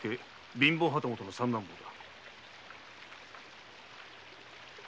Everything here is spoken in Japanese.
貧乏旗本の三男坊だ。